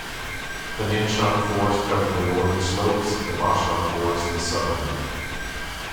The Nanshan Forest covered the northern slopes; the Bashan Forest, the southern.